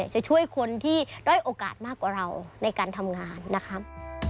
จะช่วยคนที่ด้อยโอกาสมากกว่าเราในการทำงานนะครับ